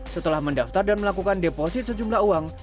setelah mendaftar dan melakukan deposit sejumlah uang